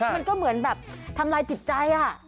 มันก็เหมือนแบบทำลายจิตใจ